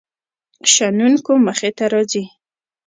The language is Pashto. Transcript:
شنونکو مخې ته راځي.